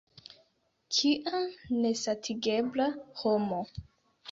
Kia nesatigebla homo!